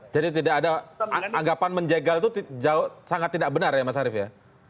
jadi tidak ada anggapan menjegal itu sangat tidak benar ya mas arief ya